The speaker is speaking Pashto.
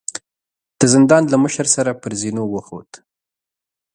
د زندان له مشر سره پر زينو وخوت.